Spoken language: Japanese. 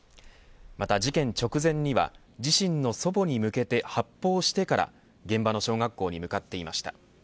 また事件直前には自身の祖母に向けて発砲してから現場の小学校に向かっていました。